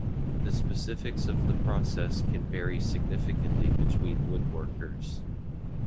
The specifics of the process can vary significantly between woodworkers.